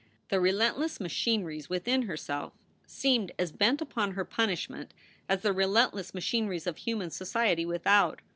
The relentless machineries within herself seemed as bent upon her punishment as the relentless machineries of human society without.